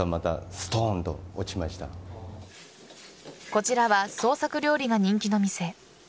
こちらは創作料理が人気の店。